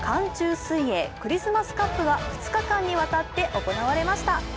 水泳クリスマスカップが２日間にわたって行われました。